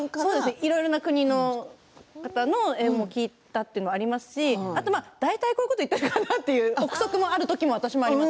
いろいろな国の英語を聞いたというのもありますし大体こういうこと言ってるのかなという憶測の時もあります。